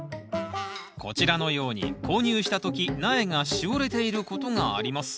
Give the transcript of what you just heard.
こちらのように購入した時苗がしおれていることがあります。